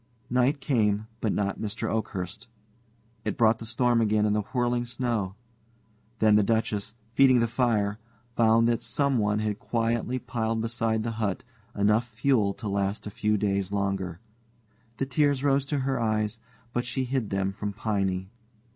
Night came, but not Mr. Oakhurst. It brought the storm again and the whirling snow. Then the Duchess, feeding the fire, found that someone had quietly piled beside the hut enough fuel to last a few days longer. The tears rose to her eyes, but she hid them from Piney.